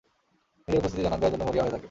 নিজের উপস্থিতি জানান দেয়ার জন্য মরিয়া হয়ে থাকে।